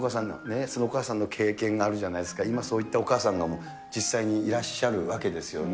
そのお母さんの経験があるじゃないですか、今そういったお母さんが実際にいらっしゃるわけですよね。